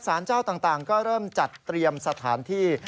สารเจ้าต่างก็เริ่มจัดเตรียมสถานที่